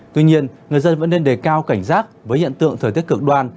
tuy nhiên người dân vẫn nên đề cao cảnh giác với hiện tượng thời tiết cực đoan